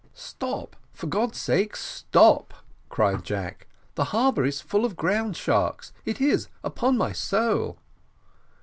"Stop, for God's sake, stop!" cried Jack "The harbour is full of ground sharks it is, upon my soul!"